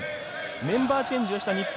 メンバーチェンジをした日本。